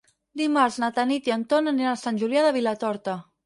Dimarts na Tanit i en Ton aniran a Sant Julià de Vilatorta.